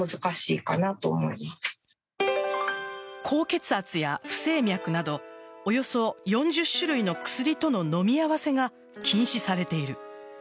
高血圧や不整脈などおよそ４０種類の薬との飲み合わせが禁止されている。